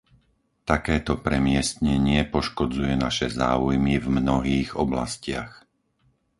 Takéto premiestnenie poškodzuje naše záujmy v mnohých oblastiach.